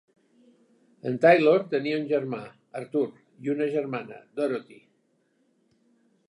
En Taylor tenia un germà, Arthur, i una germana, Dorothy.